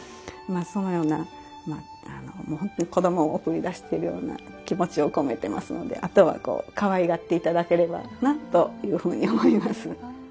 そのような本当に子どもを送り出しているような気持ちを込めてますのであとはこうかわいがって頂ければなというふうに思います。